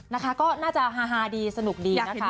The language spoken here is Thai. นะคะก็น่าจะฮาดีสนุกดีนะคะ